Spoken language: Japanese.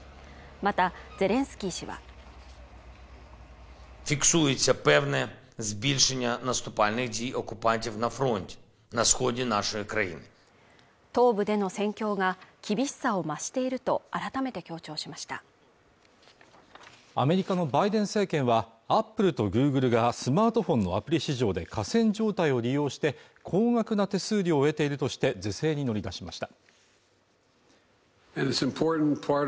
またゼレンスキー氏は東部での戦況が厳しさを増していると改めて強調しましたアメリカのバイデン政権はアップルとグーグルがスマートフォンのアプリ市場で寡占状態を利用して高額な手数料を得ているとして是正に乗り出しました